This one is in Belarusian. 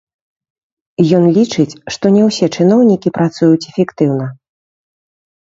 Ён лічыць, што не ўсе чыноўнікі працуюць эфектыўна.